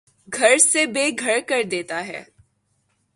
گھر سے بے گھر کر دیتا ہے